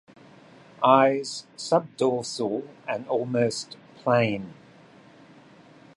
Eyes subdorsal and almost plane.